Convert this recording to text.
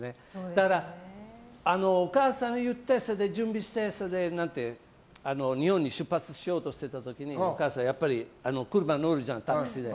だからお母さんに言って準備して日本に出発しようとした時にお母さん、やっぱり車乗るじゃん、タクシーに。